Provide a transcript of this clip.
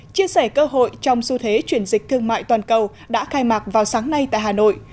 chia sẻ cơ hội trong xu thế chuyển dịch thương mại toàn cầu đã khai mạc vào sáng nay tại hà nội